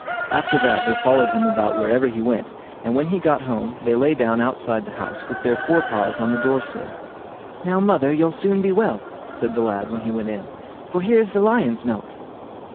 After that they followed him about wherever he went, and when he got home, they lay down outside the house, with their fore paws on the door sill. "Now, mother, you'll soon be well", said the lad, when he went in, "for here is the lion's milk."